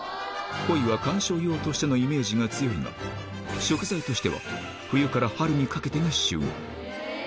コイは観賞用としてのイメージが強いが、食材としては、冬から春にかけてが旬。